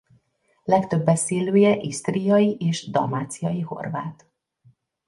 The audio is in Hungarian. Legtöbb beszélője isztriai és dalmáciai horvát.